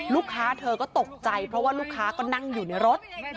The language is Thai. เธอก็ตกใจเพราะว่าลูกค้าก็นั่งอยู่ในรถ